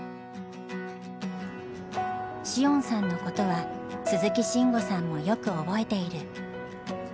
詩音さんのことは鈴木慎吾さんもよく覚えている。